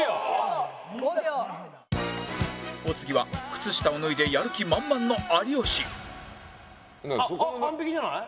お次は靴下を脱いでやる気満々の有吉あっ完璧じゃない？